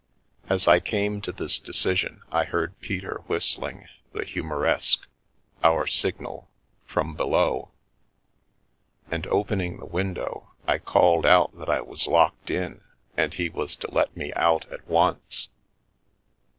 As I came to this decision I heard Peter whistling the " Hu moreske "— our signal — from below, and, opening the window, I called out that I was locked in and he was to let me out at once.